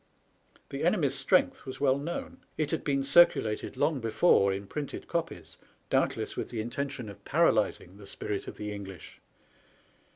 The enemy's strength was well known. It had been circu lated long before in printed copies, doubtless with the intention of paralyzing the spirit of the English.